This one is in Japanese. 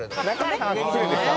来るんですか？